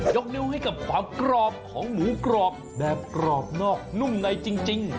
นิ้วให้กับความกรอบของหมูกรอบแบบกรอบนอกนุ่มในจริง